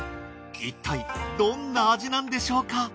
いったいどんな味なんでしょうか？